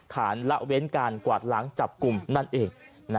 ละเว้นการกวาดล้างจับกลุ่มนั่นเอง